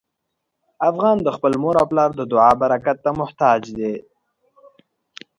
افغان د خپل مور او پلار د دعا برکت ته محتاج دی.